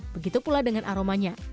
begitu pula dengan aromanya